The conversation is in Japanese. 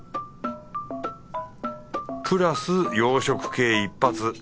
プラス洋食系一発。